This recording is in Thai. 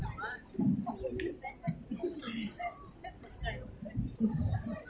เวลาแรกพี่เห็นแวว